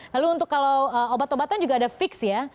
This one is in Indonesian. lalu untuk kalau obat obatan juga ada fix ya